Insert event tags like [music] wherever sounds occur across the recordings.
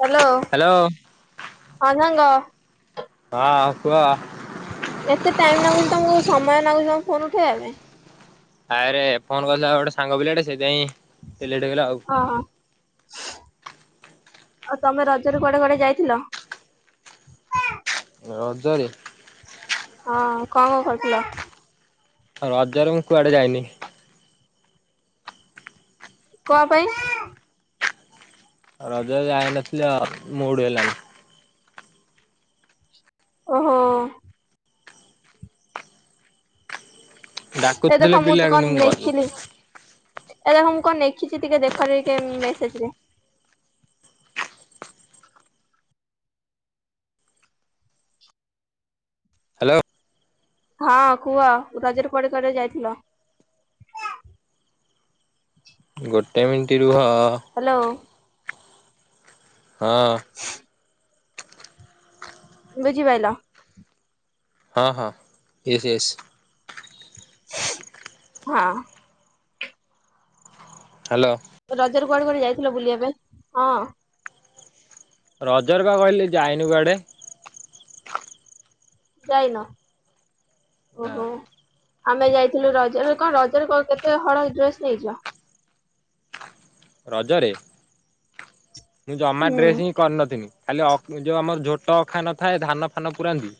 Hello. ହଁ ସାଙ୍ଗ। ହଁ ଆଉ କୁହ? ଏତେ ଟାଇମ ନାଗୁଚି ତମକୁ ସମୟ ନାଗୁଛି ତମ ଫୋନ ଉଠେଇବା ପାଇଁ? ଆରେ ଫୋନ କରିଥିଲା ଗୋଟେ ସାଙ୍ଗପିଲାଟେ ସେଇଥିପାଇଁ ଏ ଲେଟ ହେଇଗଲା ଆଉ। ଓହୋ ଆଉ ତମେ ରଜରେ କୁଆଡେ କୁଆଡେ ଯାଇଥିଲ? ରଜରେ ହଁ କଣ କଣ କରୁଥିଲ? ରଜରେ ମୁଁ କୁଆଡେ ଯାଇନି। କଣ ପାଇଁ? ଅ ରଜରେ ଯାଇନଥିଲି ଆଉ ମୁଡ୍ ହେଲାନି। ଓହୋ। ଏଇ ଡାକୁଥିଲେ ଦେଖ ମୁଁ ପିଲା ତୁ କିନ୍ତୁ କଣ ଗଲିନି ନେଖିଲି। ଏ ଦେଖ ମୁଁ କଣ ନେଖିଚି ଟିକେ ଦେଖରେ ଟିକେ ମେସେଜ ରେ। ହାଲୋ। ହଁ କୁହ ରାଜରେ କୁଆଡେ କୁଆଡେ ଯାଇଥିଲ। ଗୋଟେ ମିନଟି ରୁହ। ହଁ ହ୍ୟାଲୋ। ହଁ। ବୁଝିପାଇିଲ। ହଁ ହଁ ସ୍ ସ୍ ହଁ। ହ୍ୟାଲୋ। ରଜର କୁଆଡେ କୁଆଡେ ଯାଇଥିଲ ବୁଲିବା ପାଇଁ ହଁ ରଜର କା କହିଲି ଯାଇନୁ କୁଆଡେ ଯାଇନା ନା ଓ। ଆମେ ଯାଇଥିଲୁ ରଜରେ କଣ ରଜରେ କ କେତେ ହଳ ଡ୍ରେସ ନେଇଛ ରଜରେ ମୁଁ ଜମା ହୁଁ ଡ୍ରେସ୍ ହିଁ କରିନଥିଲି। ଖାଲି ଯୋଉ ଆମର ଝୋଟ ଅଖାନ ନ ଥାଏ ଧାନ ଫାନ ପୁରାନ୍ତି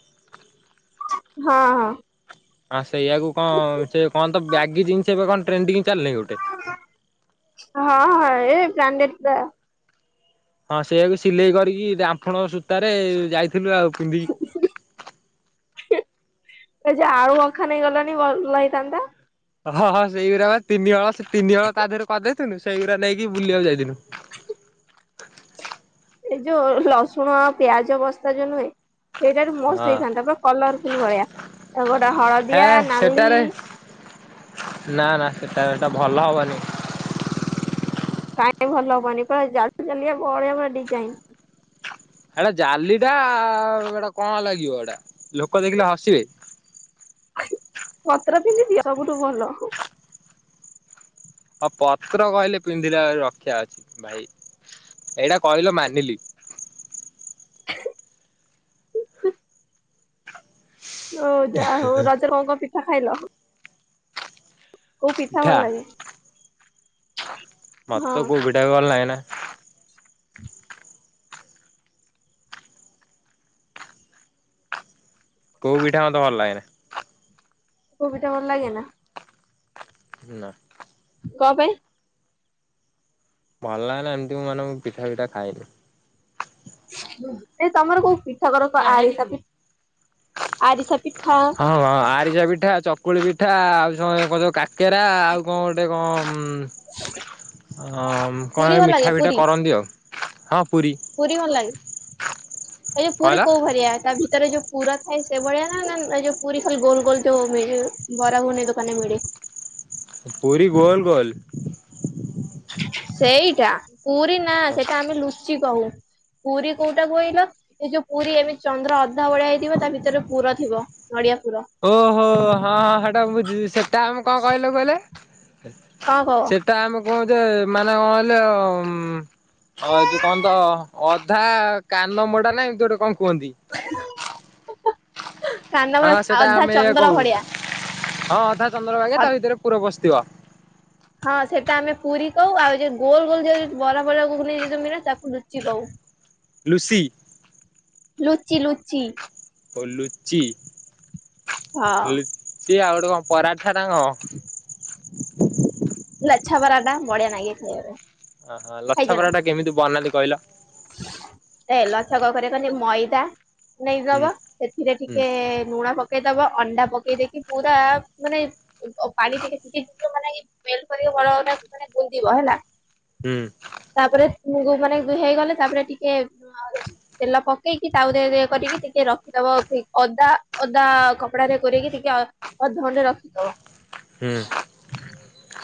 ହଁ ହଁ ଆସ୍ ସେଇୟଆକୁ କଣ ସେ କଣ ତ ବ୍ୟାଗି ଜିନିଷ ଏବେ କଣ? ଟ୍ରେଡିଂ ହଁ ହ। ଏ ବାଣ୍ଡେ ହଁ ସେଇଆାକୁ ସିଲେଇ କରିକି ଆଡାମ୍ଫୁଣ ସୂତାରେ ଯାଇ ଲୁ ଆଉ ପୁନ୍ଦୀ ଏ ଯେ ଆଳୁ ଅଖା ନେଇ ଗଲାଣି ଭଲ ହେଇଥାନ୍ତା। ହଁ ହଁ ସେଇଗୁରା ବା ତିନି ତିନି ହଳ ତା ଧିଅରୁ କରଦେ ଥିଲୁ ସେଇଗୁରା ନେଇକି ବୁଲିବାକୁ ଯାଇଥିଲୁ। ଏଇ ଯୋଉ ରସୁଣ ଆଉ ପିଆଜ ବସ୍ତା ଯୋଉ ନୁହେଁ ସେଇଟାରୁ ହଁ ମସ୍ତ ହେଇଥାନ୍ତା ପୁରା କଲର ଫୁଲ ଭଳିିଆ ଗୋଟେ ହେ ହଳଦିଆ ନାଲି ସେଟାରେ ନା ନା ସେଟା ସେଟା ଭଲ ହବନି। କାଇଁ ଭଲ ହବନି ପୁରା ଜାଲ ଜାଲିଆ ବଢିଆ ବଢିଆ ପୁରା ଡିଜାଇନ ଏଟା ଜାଲିଟା ଏଟା କଣ ଲାଗିବ ଏଟା ଲୋକ ଦେଖିଲେ ହସିବେ। ପତ୍ର ପିନ୍ଧି ଦିଅ ସବୁଠୁ ଭଲ ଆଉ ପତ୍ର କହିଲେ ପିନ୍ଧିଲେ ଆହୁରି ରକ୍ଷା ଅଛି ଭାଇ ଏଇଟା। କହିଲ ମାନିଲି ହଉ ଯା ହଉ ରାଜରେ କଣ କଣ ପି ପିଠା ଖାଇଲ। କୋଉ ଭଲ ପିଠା ଲାଗେ? ହଁ ମତେ କୋଉ ପିଠା ଭଲ ଲାଗେ ନା। କେଉ ପିଠା ମତେ ଭଲ ଲାଗେନା। କୋଉ ଟ ଭଲ ଲାଗେ ନା। ନା, କଣ, ପାଇଁ? ଭଲ ଲାଗେନା, ଏମିତି ମୁଁ, ମାନେ ମୁ ପିଠା, ପିଠା ଖାଏନି ୲ ଏଇ ତମର, କୋଉ ପିଠା କର ତ, ଆରିସା ପି ଆରିସା, ପିଠା- ରିସା, ପିଠା ଚକୁଳି ପିଠା, ଆଉ କଣ ସବୁ, କାକେରା ଆଉ କଣ, ଗୋଟେ କଣ? କଣ, ପୁରୀ ହେ ଭଲ ମିଠା, ଲାଗେ ଫିଠା ପୁରୀ କରନ୍ତି ଆଉ ୲ ହଁ- ପୁରୀ, ଭଲ ଲାଗେ? ଏ ଯୋଉ କଣ ପୁରୀ, ହେଲା? କୋଉ ଭଳିଆ? ତା ଭିତରେ ଯୋଉ ପୁର ଥାଏ ସେଇଭଳିଆ, ନା? ନା ଯୋଉ, ପୁରୀ ଖାଲି ଗୋଲ, ଗୋଲ ଯୋଉ ବରା, ଗୁଗୁନି ଦୋକାନରେ ମିଳେ? ପୁରୀ ଗୋଲ, ଗୋଲ ୲ ସେଇଟା ୲ ପୁରୀ, ନା ସେଇଟା ଆମେ, ଲୁଚି- ଚିକହୁ, ପୁରୀ କୋଉଟା, କହିଲ? ଏ ଯୋଉ, ପୁରୀ ଏମିତି ଚନ୍ଦ୍ର ଅଧା ଭଳିଆ ହେଇଥିବ, ତା ଭିତରେ ପୁର, ଥିବ ୲ ଓହୋ, ହଁ, ହଁ ସେଟା ମୁ ବୁଝୁଛି, ସେଟା ଆମେ କଣ, କହିଲୁ କହିଲେ- କଣ କହ ସେଟା ଆମକୁ କହୁଛ ମାନେ କଣ, କହିଲ? ଉ, ଏ, ଯଉ କଣ, ତ ଅଧା କାନ ମୋଡା, ନାଇ ଏମିତି ଗୋଟେ, କଣ କୁହନ୍ତି ୲ କାନମରା ହଁ, ସେ ଅଧା ଚନ୍ଦ୍ର, ଭଳିଆ ୲ ହଁ, ଅଧା ଚନ୍ଦ୍ର ବାଗିଆ, ତା ଭିତରେ ପୁର, ପଶି ତିବା ହଁ, ସେଟା ଆମେ ପୁରୀ, କହୁ ୲ ଆଉ ଯଉ ଗୋଲ, ଗୋଲ ଯଉ ବଡ, ବଡ ଘୁଗୁନି ସହିତ ମିଳେ, ତାକୁ ଲୁଚି କହୁ। ଲୁସି ଲୁଚି, ଲୁଚି। ଓ, ଲୁଚି। ହଁ, କିଏ, ଆଉ ଗୋଟେ କଣ, ପରାଠା ନା କଣ? ଲଛା ପରାଟା, ବଢିଆ ଲାଗେ ଖାଇବା, ପାଇଁ। ଆହା, ଖାଇଛ ନା? ଲଛାପରଟା କେମିତି ବନାନ୍ତି, କୁ କହିଲ, ଏ ଲଛା, କଣ କରିବ କହନି, ମଇଦା ହୁଁ ନେଇଦବ, ସେଥିରେ ହୁଁ ଟିକେ, ଲୁଣ ପକେଇଦବ, ଅଣ୍ଡା ପ ପକେଇ ଦେଇକି ୲ ପୁରା ମାନେ, ଓ ପାଣି ଟିକିଏ, ଛିଞ୍ଚିକି ତୁମେ ମାନେ ଏହି ନେଳ ପାନିକ ବଳ ବୁଧିବ ହେଲା। ହୁଁ। ଗୋ ମାନେ ହେଇଗଲେ। ତାପରେ ଟିକେ ତେଲ ପକେଇକି ତା ଭିତରେ ଇଏ କରିକି ଟିକେ ରଖିଦବ ଅଦା ଓଦା କପଡା ରେ ଗୋରେଇକି ଟିକେ ଅଧନରେ ରଖିଦବ। ହୁଁ।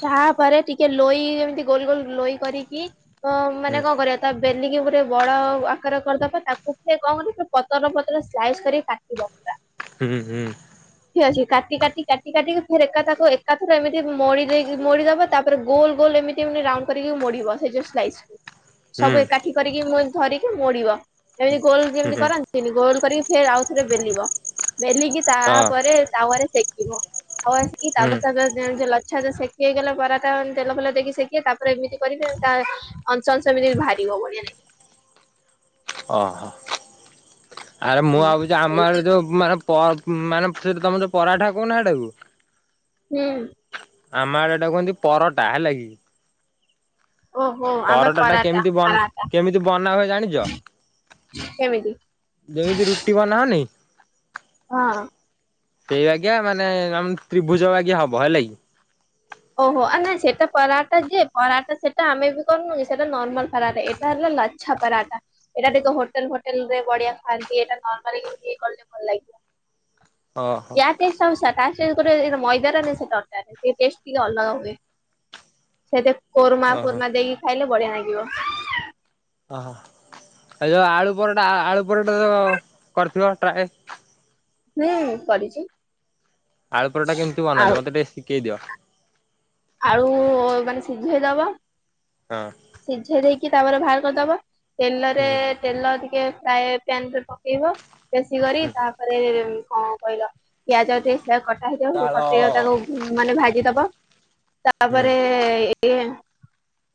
ତାପରେ ଟିକେ ଲୋଇ ଯେମିତି ଗୋଲ ଗୋଲ ଲୋଇ କରିକି। ଅ ହୁଁ ମାନେ କଣ କରିବା ତା। ବେଲିକି ପୂରା ବଡ ଆକାର କରିଦବା ତାକୁ ଟିକିଏ କଣ କ ନି ପତର ପତର ସ୍ଲାଇସ୍ କରି କାଟିବ ପୁରା। ହୁଁ ହୁଁ। ଠିକ ଅଛି କାଟି କାଟି କାଟି କାଟିକି ଫେର ଏକା ତାକୁ ଏକାଥର ଏମିତି ମେଡି ଦେଇି ମେଡି ଦେବ ତାପରେ ଗୋଲ ଗୋଲ ଏମିତି ଏମିତି ରାଉଣ୍ଡ କରିକି ମେଡିବ ସେଇ ଯେ ସାଇସ୍କୁୁ। ସବୁ ହୁଁ ଏକାଠି କରିକି ମୁଁ। ଧରିକି ମୋଡ଼ିବ। ଏମିତି ଗୋଲ ଯେମି ହୁଁ କରନ୍ତିି ଗୋଳ କରି। ଫେର୍ ଆଉଥରେ ବେଲିବ। ବେଲିଗ ତା ହଁ ପ। ରେ ତାୱରେ ଦେଖିବ। ଆବାଜ କି ହୁଁ ତାବଦ ତାବଦ ଜେଲଦ। ଆଛା ଆଛା ସେକି ହେଇଗଲା ପରାଟା ତେଲ ଫେଲ ଦେଇକି ସେକ ତାପରେ ଏମିତି କରିବେ ତା ଅଂଶ ଅଂଶ ଏମିତି ବାହାରିବ ବଢିଆ ଲାଗିବ। ଅହ ହୋ। ଆରେ ମୁଁ ଭାବୁଛି ଆମର ଯୋଉ ମାନେ ପ ମାନେ ସେ ତମେ ଯଉ ପରାଠା କହୁନ ହେଟାକୁ। ହୁଁ। ଆମ ଆଡେ ଏଟା କୁହନ୍ତି ପରଟା ହେଲା କି? ଓହୋ ଆମେ ପରଟା ଟା ପରାଟା କେମିତି ବନ ପରାଟା କେମିତି ବନା ହୁଏ ଜାଣିଛ କେମିତି ଯେମିତି ରୁଟି ବନାହନି ହଁ। ସେଇ ଆଗା ମାନେ ଆମ ତ୍ରିଭୁଜ ବାଗା ହବ ହେଲା କିି? ଓହୋ ନାଇ ସେଟା ପରରାଟା ଯେ ପରରାଟା ସେଟା ଆମେ ବି କରୁନୁକି ସେଟା ନରର୍ମାଲ ପରାଟା ଏଇଟା ହେଲା ଲାଛା ପରାଟା ଏଇଟା ଦେଖ ହୋଟେଲ ଫୋଟେଲ ରେ ବଢିଆ ଖାଆନ୍ତି ଏଇଟା ନରର୍ମାଲରେ କଲେ ଭଲ ଲାଗିବ। ଓହୋ ଏହା ଟେଷ୍ଟେ ସା। [unintelligible] [unintelligible] ମଇଦା ନା ସେ ତରକାରୀ ଟେଷ୍ଟ। ଟିକିଏ ଅଲଗା ହୁଏ ସେତ କୋର୍ମା ଓହୋ କୋର୍ମା ଦେଇକି ଖାଇଲେ ବଢିଆ ଲାଗିବ। ଓହୋ ଏ ଯୋଉ ଆଳୁ ପରଟା ଆଳୁ ପରଟା ଓଃ ତ କରିଥିବ ଟ୍ରାଏ? ହୁଁ କରିଛି। ଆଳୁପରଟା କେିତି ଆଳୁ ବନାନ୍ତି ମତେ ଟିକେ ଶିଖେଇ ଦିଅ। ଆଳୁ ମାନେ ସିଝେଇଦବ। ହଁ ସିଝେଇ ଦେଇ କି ତାପରେ ବାହାର କରିଦବ। ତେଲରେ ହୁଁ ତେଲ ଟିକେ ପ୍ରାୟ ପ୍ୟାନ ରେ ପକେଇବ ବେଶୀ କରି ତାପରେ ଉ କହିଲ ପିଆଜଠ ସେ କଟା ହେଇଥିବ ତାଳ କଟେଇ ତାକୁ ମାନେ ଭାଜିଦବ। ହୁଁ ତାପରେ ଏ ଏ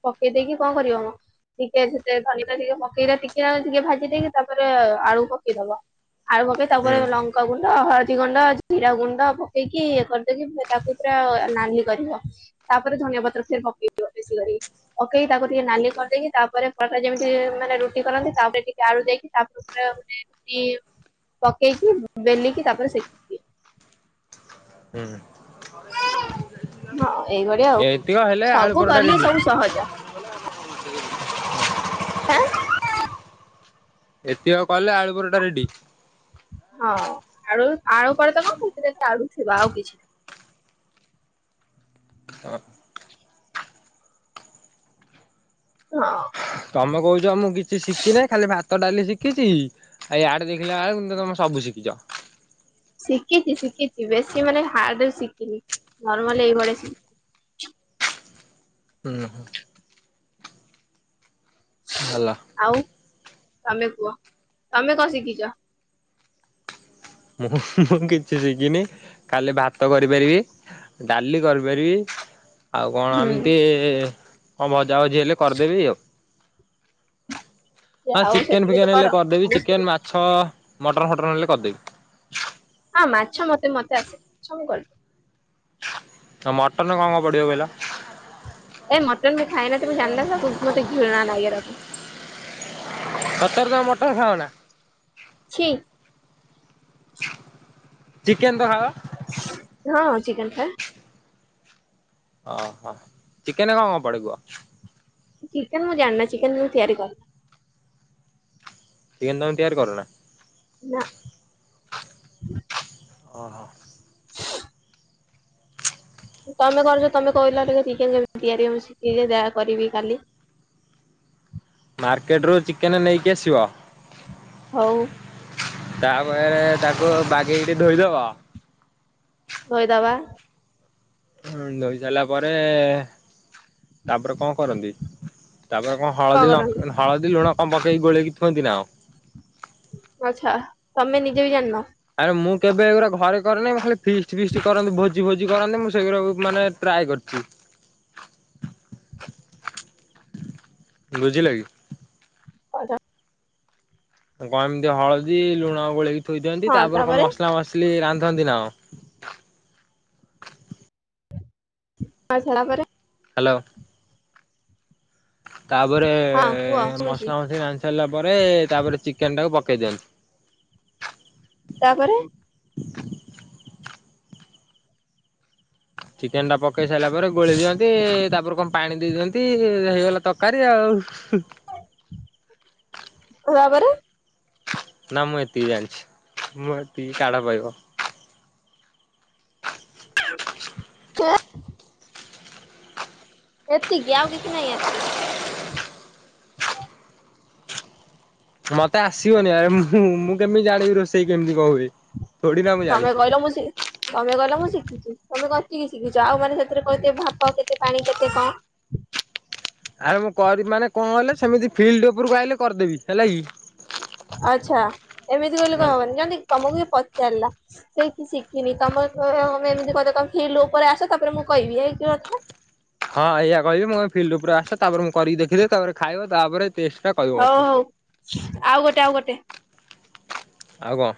ପକେଇ ଦେଇେଇକି କଣ କରିବ ମୁଁ ଟିକେ ସେେ ଧନି ଟା ଟିକେ ପକେଇ ଟିକେଟେ ଟିକେ ଭାଜି ଦେଇକି ତାପରେ ଆଳୁ ପକେଇଦବ। ଆଳୁ ପକେଇ ହୁଁ ତାପରେ ଲଙ୍କା ଗୁଣ ହଳଦୀ ଗୁଣ୍ଡ ଜିରା ଗୁଣ୍ଡ ପକେଇକି ଇଏ କରିଦେଇକି ତାକୁ ପୁରା ନାଲି ିବ ତାପରେ ଧନିଆ ପତ୍ର ଫେର ପକେଇ ବେଶୀ କରିକି ପକେଇକି ତାକୁ ଟିକେ ନାଲି କରିଦେଇକି ତାପରେ ପରାଟା ଯେମିତି ମାନେ ରୁଟି କରନ୍ତି ତାପରେ ଟିକେ ଆଳୁ ଦେଇକି ତାପ ଉପରେ ମାନେ ରୁଟି ପକେଇକି ବେଲିକି ତାପରେ ସେକି ଦିଅ। ହୁଁ। ହଁ ଏଇଭଳିଆ ଆଉ ଏତିକ ହେଲେ ଆଳୁ ସବୁ ପରଟା କଲେ ରେଡି ସବୁ ସହଜ ଏଃ ଏଃ। ଏତିକ କଲେ ଆଳୁପରଟା ରେଡି ହଁ ଆ ଆଳୁପରଟା କଣ ଖାଲିସେଥିରେ ଆଳୁ ଥିବ ଆଉ କିଛି ନାହି। ହଁ। ହ। ତମେ କହୁଛ ଆମକୁ କିଛି ଶିଖି ନାହିଁ ଖାଲି ଭାତ ଡାଲି ଶିଖିଛି। ଆ ଆଡେ ଦେଖିଲା ବେଳକୁ କିନ୍ତୁ ତମେ ସବୁ ଶିଖିଛ। ଶିଖିଛି ଶିଖିଛି ବେଶୀ ମାନେ ହାଡଦରେ ଶିଖିନି ନର୍ମାଲି ଏଇଭଳିଆ ଶିଖି ହୁଁ ହୁଁ। ଭଲ। ଆଉ ତମେ କୁହ ତମେ କଣ ଶିଖିଛ। ମୁଁ ମୁଁ କିଛି ଶିଖିନି ଖାଲି ଭାତ କରିପାରିବି ଡାଲି କରିପାରିବି। ଆଉ କଣ ହୁଁ ଏମତି। ଙ୍କ ଭଜା ଭଜି ହେଲେ କରିଦେବି ଆଉ। ଯେ ହଁ ଆଉ ଚିକେନ ସେତିକି ତ ଫିକେନ ହେଲେ କର କରିଦେବି ଚିକେନ ହଁ ମାଛ। ମଟନ୍ ଫଟନ ହେଲେ କରିଦେବି। ହଁ ମାଛ ମତେ ମତେ ଆସ ମାଛ ମୁଁ କ ଆ ମଟନ କଣ କଣ ପଡିବ କହିଲ। ଏ ମଟନ ବି ଖାଇନ ତମେ ଜାଣିନ ତାକୁ ମତେ ଘିଣା ନାଗେ ଏରାକୁ। ସତର ତମ ମଟନ ଖାଅ ନା। ଛି ଚିକେନ ତ ଖାଅ। ହଁ ଚିକେନ ଖାଏ। ଓ ହୋ ଚିକେନ ଙ୍କ ଙ୍କ ପଡେ କୁହ। ଚିକେନ ମୁଁ ଜାଣନା ଚିକେନ ମୁଁ ତିଆରି କର। ଚିକେନ ତମେ ତିଆର କର ନା। ନା। ଓହୋ। ତମେ କରୁଛ ତମେ କହିଲ ଟିକେ ଚିକେନ କେମିତି ତିଆରି ମୁଁ ଶିଖିକି ଯାହା କରିବି କାଲି। ମାର୍କେଟରୁୁ ଚିକେନ୍ ନେଇକି ଆସିବ। ହଉ। ତାପରେ ତାକୁ ବାଗେଇ ଟି ଧୋଇଦବ। ଧୋଇଦବା। ଧୋଇ ସାରିଲା ପରେ ତାପରେ କଣ କରନ୍ତି। ତାପରେ କଣ ହଳଦୀ ଲ ହଳଦୀ ଲୁଣ କଣ ପକେଇକି ଗୋଳେଇକି [unintelligible] ଆଚ୍ଛା ତମେ ନିଜେ ବି ଜାଣିନ? ଆରେ ମୁଁ କେବେ ଏଗୁଡା ଘରେ କରନି ଖାଲି ଫିଷ୍ଟ ଫିଷ୍ଟ କରନ୍ତି ଭୋଜି ଭୋଜି କରନ୍ତି ମୁଁ ସେଗୁରା ମାନେ ଟ୍ରାଏ କରିଛି [inaudible] ବୁଝିଲ କି। ଆଚ୍ଛା। କଣ ଏମିତି ହଳଦୀ ଲୁଣ ଗୋଳେଇକି ଥୋଇଦିଅନ୍ତି ତାପରେ କଣ ମସଲା ମସଲି ରାନ୍ଧ ରାନ୍ଧନ୍ତି ନା କଣ। [inaudible] ହଁ ସେଟା ପରେ ହାଲୋ। ତାପରେ ହଁ କୁହ ଶୁଣୁଛି। ମସଲା ମସଲି ରା ତେଲ ପରେ ତାପରେ ଚିକେନ ଟାକୁ ପକେଇ ଦିଅନ୍ତି। ତାପରେ। ଚିକେନ ଟା ପ ପକେଇ ସାରିଲା ପରେ ଗୋଳି ଦିଅନ୍ତି ତାପର କଣ ପାଣି ଦେଇ ଦିଅନ୍ତି ହେଇଗଲା ତରକାରୀ ଆଉ। ତାପରେ ନା ମୁଁ ଏତିକି ଜାଣିଛି। ମୁଁ ଏତିକି କାଢ ପାଇବ। [unintelligible] ଏତିକି ଆଉ କିଛି ନାହିଁ ଏତିକି? ମତେ ଆସିବନି ଆରେ ମୁ ମୁଁ କେମିତି ଜାଣିବି ରୋଷେଇ କେମିତି କଣ ହୁଏ। ଥୋଡି ନା ମୁଁ ତମେ ଜାଣିଛି କହିଲ ମୁଁ ସେ ତମେ କହିଲ ମୁଁ ଶିଖିଛୁ ତମେ ଗଛିକି ଶିଖିଛ ଆଉ ମାନେ ସେଥିରେ କେତେ ଭପ କେତେ ପାଣି କେତେ କଣ? ଆରେ ମୁଁ ମାନେ କଣ କଲେ ସେମିତି ଫିଲ୍ଡ ଉପରକୁ ଆଇଲେ କରିଦେବି ହେଲା କି। ଆଚ୍ଛା ଏମିତି କହିଲ କଣ ମାନେ ହବନି ଜମ ତମକୁ ସେ ପଚାରିଲା? ସେ କି ଶିଖିନି ତମର ତମେ ଏମିତି କଥା ତମେ ସେ ଲୋ ଉପରେ ଆସ ତାପରେ ମୁଁ କହିବି ଏଇ କି କଥା ହଁ ଇଆ କହିବି ମୋ ଫିଲ୍ଡ ଉପରେ ଆସ ତାପରେ ମୁଁ କରିଖିବ ତାପରେ ଖାଇବ ତାପରେ? ଟେଷ୍ଟ ଟା କହିବ ହଉ ମତେ। ହଉ ଆଉ ଗୋଟେ ଆଉ ଗୋଟେ? ଆଉ କଣ?